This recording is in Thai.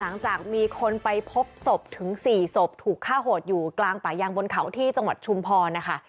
หลังจากมีคนไปพบศพถึง๔ศพถูกฆ่าโหดอยู่กลางป่ายางบนเขาที่จังหวัดชุมพรนะคะ